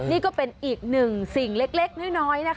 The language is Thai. นี่ก็เป็นอีกหนึ่งสิ่งเล็กน้อยนะคะ